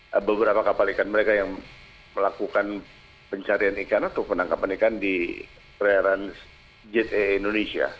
ada beberapa kapal ikan mereka yang melakukan pencarian ikan atau penangkapan ikan di perairan jee indonesia